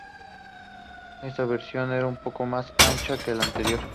Esta versión era un poco más ancha que la anterior.